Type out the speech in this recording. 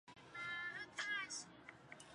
华东蓝刺头为菊科蓝刺头属的植物。